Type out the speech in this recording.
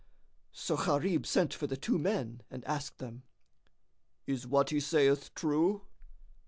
So Gharib sent for the two men and asked them, "Is what he saith true?"